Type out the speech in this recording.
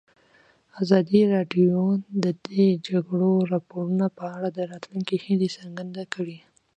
ازادي راډیو د د جګړې راپورونه په اړه د راتلونکي هیلې څرګندې کړې.